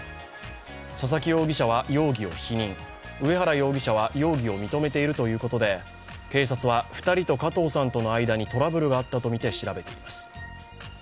佐々木容疑者は容疑を否認上原容疑者は容疑を認めているということで警察は２人と加藤さんとの間にトラブルがあったとみて調べています。